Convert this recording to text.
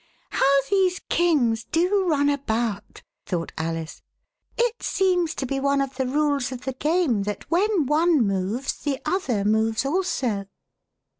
How these kings do run about !" thought Alice. It seems to be one of the Rules of the Game that when one moves the other moves also."